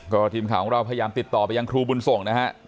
ก็ทีมข่าวของเราพยายามติดต่อไปยังครูบุญส่งนะฮะ